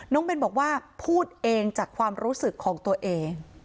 เบนบอกว่าพูดเองจากความรู้สึกของตัวเอง